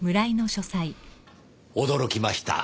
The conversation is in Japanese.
驚きました。